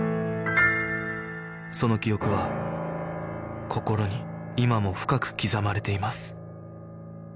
その記憶は心に今も深く刻まれています